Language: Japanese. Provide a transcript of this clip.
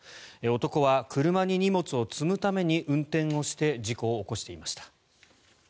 男は車に荷物を積むために運転をして事故を起こしていました。